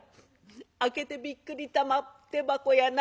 「開けてびっくり玉手箱やな。